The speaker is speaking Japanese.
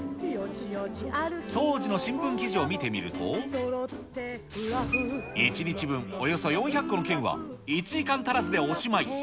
当時の新聞記事を見てみると、１日分およそ４００個の券は１時間足らずでおしまい。